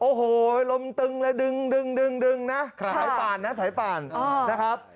โอ้โหลมตึงเลยดึงนะสายป่านนะสายป่านนะครับ